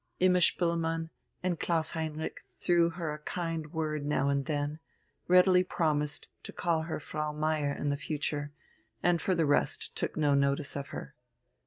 Imma Spoelmann and Klaus Heinrich threw her a kind word now and then, readily promised to call her Frau Meier in future, and for the rest took no notice of her.